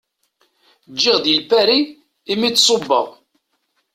Ǧǧiɣ di Lpari i mi d-ṣubbeɣ.